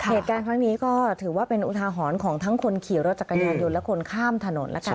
เหตุการณ์ครั้งนี้ก็ถือว่าเป็นอุทาหรณ์ของทั้งคนขี่รถจักรยานยนต์และคนข้ามถนนแล้วกัน